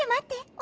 お！